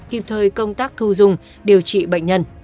kịp thời công tác thu dung điều trị bệnh nhân